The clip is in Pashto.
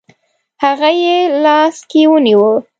هغه یې لاس کې ونیوه.